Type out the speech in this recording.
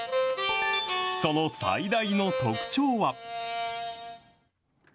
その最大の特徴は。